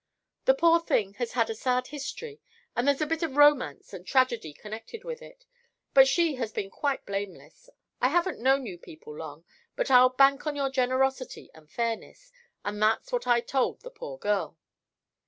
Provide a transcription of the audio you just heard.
The poor thing has had a sad history and there's a bit of romance and tragedy connected with it; but she has been quite blameless. I haven't known you people long, but I'll bank on your generosity and fairness, and that's what I told the poor girl."